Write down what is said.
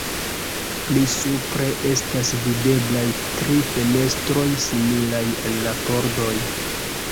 Pli supre estas videblaj tri fenestroj similaj al la pordoj.